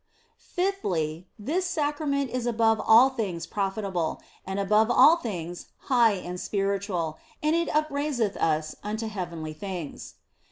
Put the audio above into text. Fifthly, this Sacrament is above all things profitable, and above all things high and spiritual, and it upraiseth us unto heavenly things.